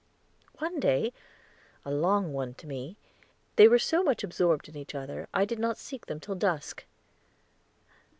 One day a long one to me, they were so much absorbed in each other, I did not seek them till dusk.